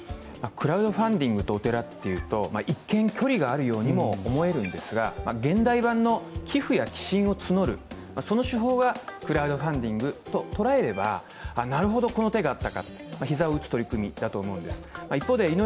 クラウドファンディングとお寺というと、一見距離があるようにも見えるんですが現代版の寄付や寄進を募る、その手法がクラウドファンディングと捉えればなるほど、この手があったかと、膝を打つ取り組みだと思うんです。